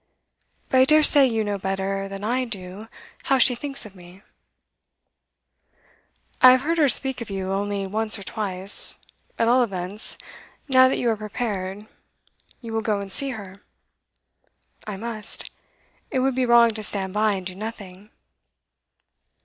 But I dare say you know better than I do how she thinks of me.' 'I have heard her speak of you only once or twice. At all events, now that you are prepared, you will go and see her?' 'I must. It would be wrong to stand by and do nothing.